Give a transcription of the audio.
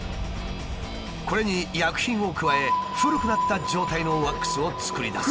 これに薬品を加え古くなった状態のワックスを作りだす。